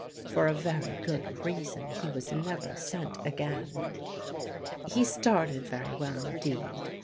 For a very good reason he was never sent again. He started very well indeed.